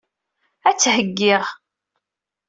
Ad t-heggiɣ.